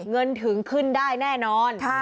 เงินถึงขึ้นได้แน่นอน